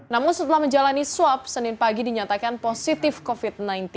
namun setelah menjalani swab senin pagi dinyatakan positif covid sembilan belas